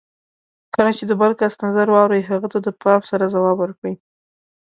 کله چې د بل کس نظر واورئ، هغه ته د پام سره ځواب ورکړئ.